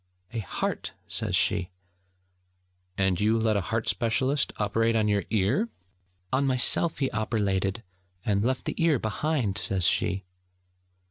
'A heart!' says she. 'And you let a heart specialist operate on your ear?' 'On myself he operlated, and left the ear behind!' says she.